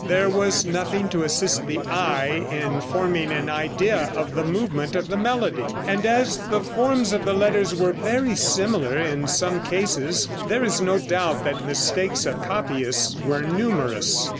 There was nothing to assist the eye in forming an idea of the movement of the melody, and as the forms of the letters were very similar in some cases there is no doubt that mistakes of copyists were numerous.